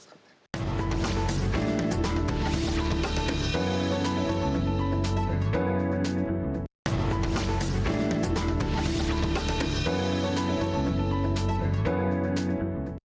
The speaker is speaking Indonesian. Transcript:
apa yang membuat anda merasakan sukses di dunia ini